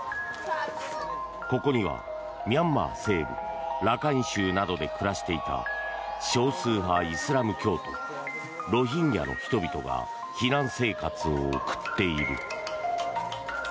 ここにはミャンマー西部ラカイン州などで暮らしていた少数派イスラム教徒ロヒンギャの人々が避難生活を送っている。